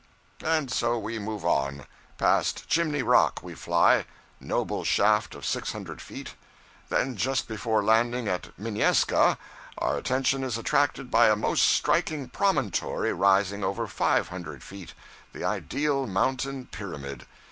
'And so we move on. Past Chimney Rock we fly noble shaft of six hundred feet; then just before landing at Minnieska our attention is attracted by a most striking promontory rising over five hundred feet the ideal mountain pyramid.